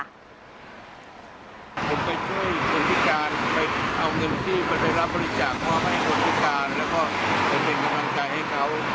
ผมไปช่วยคนพิการไปเอาเงินที่ไปรับบริจาคมอบให้คนพิการแล้วก็ไปเป็นกำลังใจให้เขา